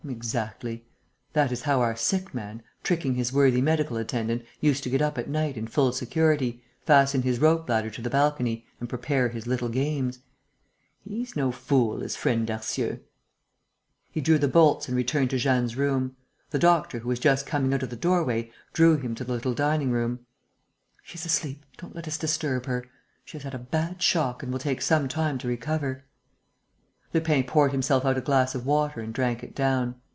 Exactly!... That is how our sick man, tricking his worthy medical attendant, used to get up at night in full security, fasten his rope ladder to the balcony and prepare his little games. He's no fool, is friend Darcieux!" He drew the bolts and returned to Jeanne's room. The doctor, who was just coming out of the doorway, drew him to the little dining room: "She's asleep, don't let us disturb her. She has had a bad shock and will take some time to recover." Lupin poured himself out a glass of water and drank it down.